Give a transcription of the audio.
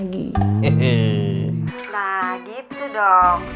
nah gitu dong